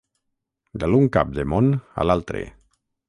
De l'un cap de món a l'altre.